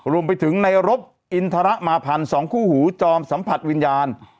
รวมไปถึงในรบอินทรมาพันธ์สองคู่หูจอมสัมผัสวิญญาณ